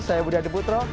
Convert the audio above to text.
saya budi hadi putro